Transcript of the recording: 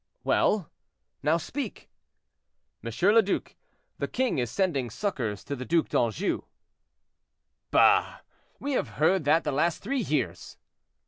"Well! now speak." "M. le Duc, the king is sending succors to the Duc d'Anjou." "Bah! we have heard that the last three years."